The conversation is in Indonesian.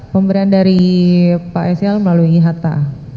pemberian dari pak s l melalui hatta